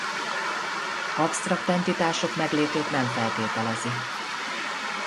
Absztrakt entitások meglétét nem feltételezi.